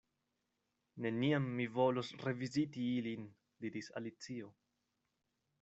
"Neniam mi volos reviziti ilin" diris Alicio.